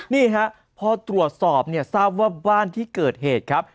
นี่ฮะพอตรวจสอบเนี่ยทราบว่าบ้านที่เกิดเหตุครับ